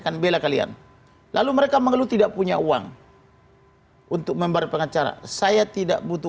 akan bela kalian lalu mereka mengeluh tidak punya uang untuk membayar pengacara saya tidak butuh